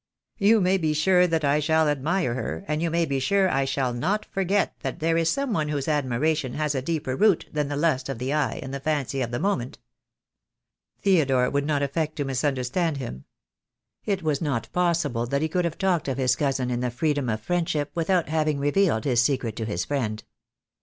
"You may be sure that I shall admire her, and you may be sure I shall not forget that there is some one whose admiration has a deeper root than the lust of the eye and the fancy of the moment." Theodore would not affect to misunderstand him. It THE DAY WILL COME. 97 was not possible that he could have talked of his cousin in the freedom of friendship without having revealed his secret to his friend.